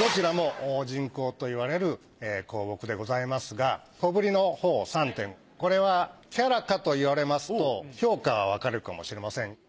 どちらも沈香といわれる香木でございますが小ぶりのほう３点これは伽羅かといわれますと評価は分かれるかもしれません。